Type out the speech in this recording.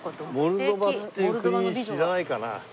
モルドバっていう国知らないかな？